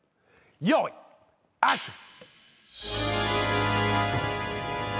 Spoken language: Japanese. よいアクション！